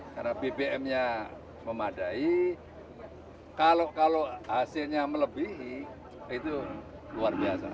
karena bpm nya memadai kalau hasilnya melebihi itu luar biasa